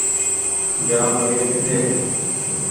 جآم دير ڪۮي